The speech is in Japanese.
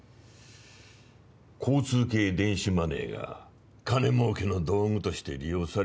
交通系電子マネーが金儲けの道具として利用され